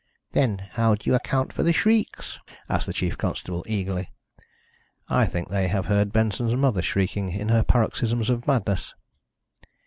"Then how do you account for the shrieks?" asked the chief constable eagerly. "I think they have heard Benson's mother shrieking in her paroxysms of madness."